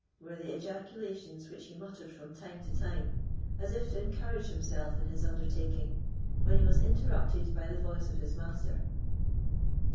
were the ejaculations which he muttered from time to time, as if to encourage himself in his undertaking, when he was interrupted by the voice of his master.